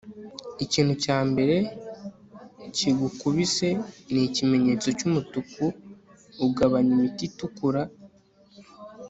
ikintu cya mbere kigukubise nikimenyetso cyumutuku ugabanya imiti itukura